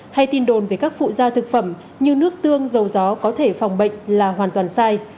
hay tin đồn về các phụ gia thực phẩm như nước tương dầu gió có thể phòng bệnh là hoàn toàn sai